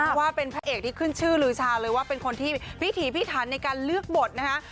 เพราะว่าเป็นพระเอกที่ขึ้นชื่อลือชาเลยว่าเป็นคนที่พิถีพิถันในการเลือกบทนะคะ